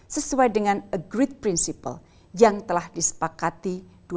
sesuai dengan agreed principle yang telah disepakati dua ribu sembilan belas